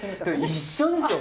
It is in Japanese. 一緒ですよ